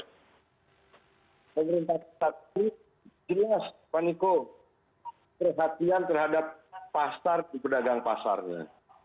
pemerintah sakti jelas paniko perhatian terhadap pasar di pedagang pasarnya